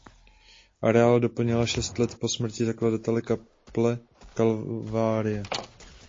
Areál doplnila šest let po smrti zakladatele kaple Kalvárie.